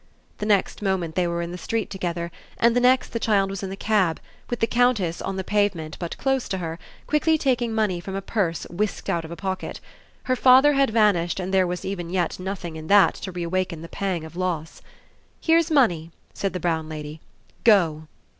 The next moment they were in the street together, and the next the child was in the cab, with the Countess, on the pavement, but close to her, quickly taking money from a purse whisked out of a pocket. Her father had vanished and there was even yet nothing in that to reawaken the pang of loss. "Here's money," said the brown lady: "go!"